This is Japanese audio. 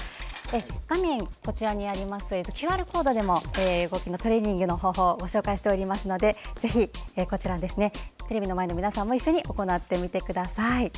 画面上のＱＲコードでも動きのトレーニングの方法をご紹介しておりますのでぜひ、こちらテレビの前の皆さんも一緒に行ってみてください。